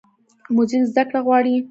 موزیک زدهکړه غواړي.